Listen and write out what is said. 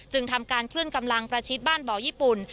ทำการเคลื่อนกำลังประชิดบ้านบ่อญี่ปุ่น